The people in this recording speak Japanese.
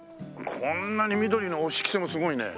こんなに緑のお仕着せもすごいね。